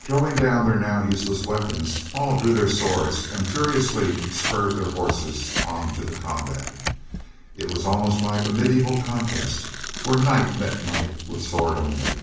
Throwing down their now useless weapons, all drew their swords and furiously spurred their horses on to the combat. It was almost like a mediæval contest, where knight met knight with sword only.